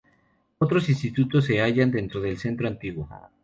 Otros institutos se hallan dentro del centro antiguo.